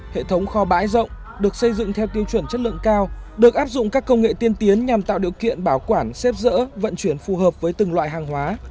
hệ thống kho bãi rộng được xây dựng theo tiêu chuẩn chất lượng cao được áp dụng các công nghệ tiên tiến nhằm tạo điều kiện bảo quản xếp rỡ vận chuyển phù hợp với từng loại hàng hóa